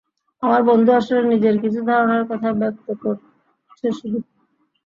আমার বন্ধু আসলে নিজের কিছু ধারণার কথা ব্যক্ত করছে শুধু।